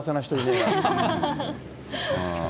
確かに。